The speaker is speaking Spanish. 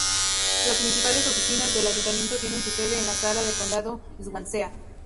Las principales oficinas del ayuntamiento tienen su sede en la Sala del Condado, Swansea.